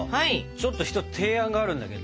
ちょっと一つ提案があるんだけど。